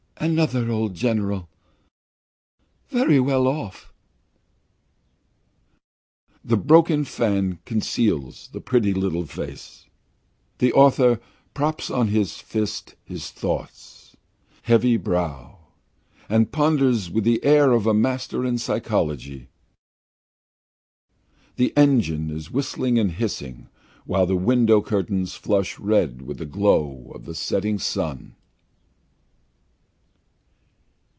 "Another old general, very well off " The broken fan conceals the pretty little face. The author props on his fist his thought heavy brow and ponders with the air of a master in psychology. The engine is whistling and hissing while the window curtains flush red with the glow of the setting sun.